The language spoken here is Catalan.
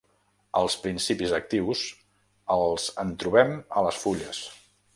Els principis actius els en trobem a les fulles.